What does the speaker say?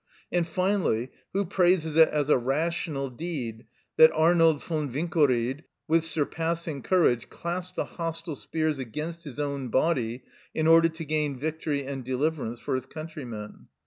And finally, who praises it as a rational deed that Arnold von Winkelried, with surpassing courage, clasped the hostile spears against his own body in order to gain victory and deliverance for his countrymen?